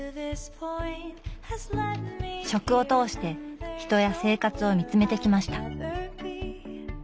食を通して人や生活を見つめてきました。